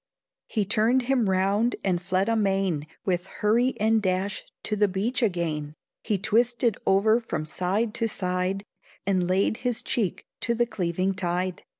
He turned him round and fled amain With hurry and dash to the beach again; He twisted over from side to side, And laid his cheek to the cleaving tide.